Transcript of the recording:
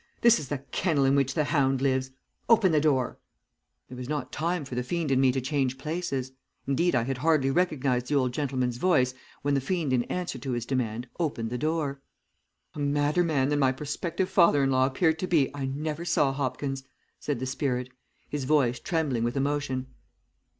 This is the kennel in which the hound lives. Open the door!' "There was not time for the fiend and me to change places. Indeed, I had hardly recognized the old gentleman's voice, when the fiend in answer to his demand opened the door. "A madder man than my prospective father in law appeared to be I never saw, Hopkins," said the spirit, his voice trembling with emotion.